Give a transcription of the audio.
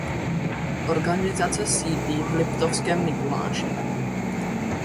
Organizace sídlí v Liptovském Mikuláši.